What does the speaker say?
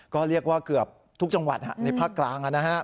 ก็เรียกว่าเกือบทุกจังหวัดในภาคกลาง